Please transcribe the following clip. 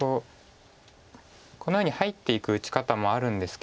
このように入っていく打ち方もあるんですけども。